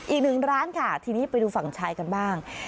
อีกหนึ่งร้านค่ะทีนี้ไปดูฝั่งชายกันบ้าง